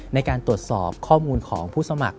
ในการตรวจสอบข้อมูลของผู้สมัคร